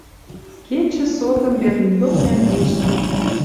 Кечӹ сотым Берлин док нӓнгешнӓ